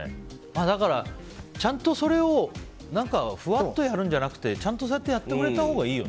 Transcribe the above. だから、ちゃんとそれをふわっとやるんじゃなくてちゃんと、そうやってやってくれたほうがいいよね。